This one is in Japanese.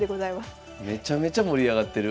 めちゃめちゃ盛り上がってる。